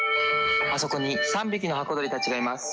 あそこに３匹の箱鳥たちがいます。